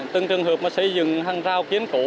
từng trường hợp mà xây dựng hàng rào kiến cổ